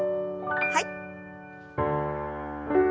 はい。